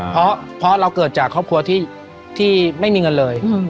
เพราะเราเกิดจากครอบครัวที่ไม่มีเงินเลย